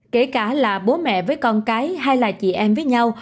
kể cả là bố mẹ với con cái hay là chị em với nhau